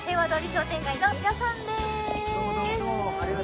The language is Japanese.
商店街の皆さんです。